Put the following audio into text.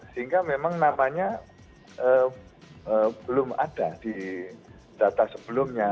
sehingga memang nampaknya belum ada di data sebelumnya